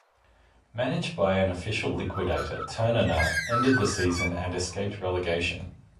Managed by an official liquidator, Ternana ended the season and escaped relegation.